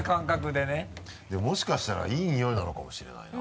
でももしかしたらいいニオイなのかもしれないな。